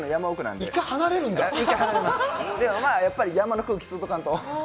でもやっぱり山の空気吸うとかんと。